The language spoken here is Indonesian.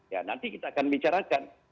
ya nanti kita akan bicarakan